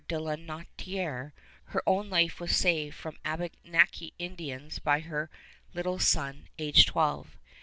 de La Naudière, her own life was saved from Abenaki Indians by her little son, age twelve.